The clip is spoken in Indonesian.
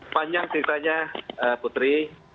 panjang ceritanya putri